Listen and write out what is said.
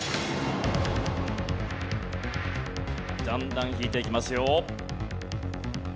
だんだん引いていきますよ。